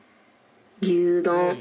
牛丼。